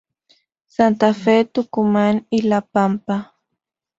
Santa Fe, Tucumán y La Pampa.